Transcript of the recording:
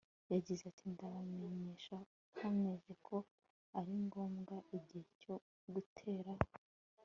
yagize iti Ndabamenyesha nkomeje ko ari ngombwa igihe cyo gutera